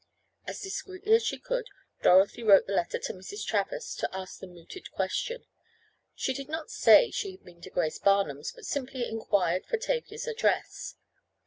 As discreetly as she could, Dorothy wrote the letter to Mrs. Travers to ask the mooted question. She did not say she had been to Grace Barnum's, but simply inquired for Tavia's address.